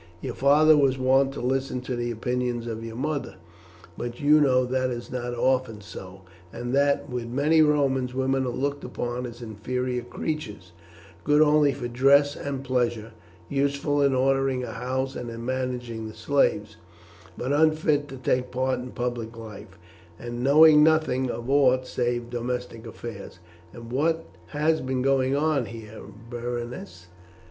Your father was wont to listen to the opinions of your mother; but you know that is not often so, and that with many Romans women are looked upon as inferior creatures, good only for dress and pleasure, useful in ordering a house and in managing the slaves, but unfit to take part in public life, and knowing nothing of aught save domestic affairs. And what has been going on here, Berenice?"